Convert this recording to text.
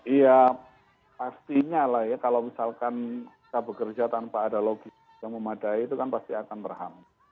iya pastinya lah ya kalau misalkan kita bekerja tanpa ada logis yang memadai itu kan pasti akan berham